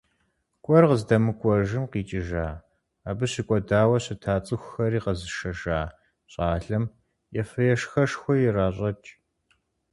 КӀуэр къыздэмыкӀуэжым къикӀыжа, абы щыкӀуэдауэ щыта цӀыхухэри къэзышэжа щӀалэм ефэ-ешхэшхуэ иращӀэкӀ.